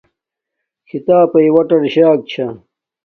کھیتاپݵ وٹر شاک چھا